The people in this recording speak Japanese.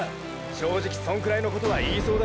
正直そんくらいのことは言いそうだ。